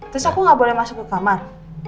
terus aku nggak boleh masuk ke kamar